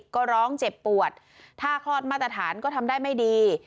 ก็ร้องเจ็บปวดถ้าคลอดมาตรฐานก็ทำได้ไม่ดี